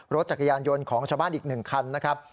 รถจักรยานยนต์ของชาวบ้านอีก๑คันนะครับ